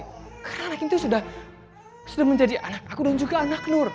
karena anak itu sudah menjadi anak aku dan juga anak nur